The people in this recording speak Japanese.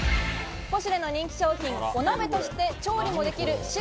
ポシュレの人気商品、お鍋として調理もできるｓｉｒｏｃａ